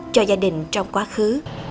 cho gia đình trong quá khứ